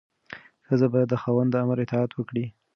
ښځه باید د خاوند د امر اطاعت وکړي.